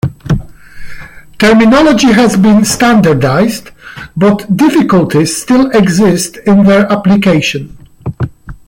Terminology has been standardized but difficulties still exist in their application.